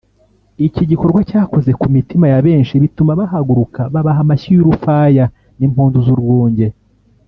Iki gikorwa cyakoze ku mitima ya benshi bituma bahaguruka babaha amashyi y’urufaya n’impundu z’urwunge